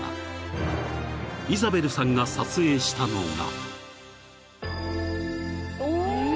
［イザベルさんが撮影したのが］